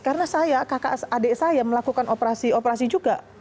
karena saya adik saya melakukan operasi operasi juga